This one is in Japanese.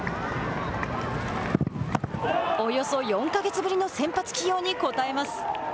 およそ４か月ぶりの先発起用に応えます。